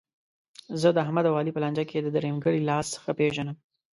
زه داحمد او علي په لانجه کې د درېیمګړو لاس ښه پېژنم.